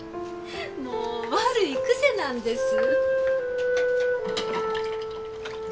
もう悪い癖なんです。